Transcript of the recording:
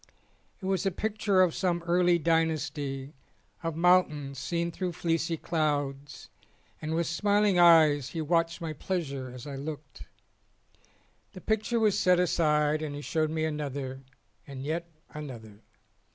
It was a picture of some early dynasty of moun tains seen through fleecy clouds, and with smiling eyes he watched my pleasure as I looked. The picture was set aside and he showed me another and yet another.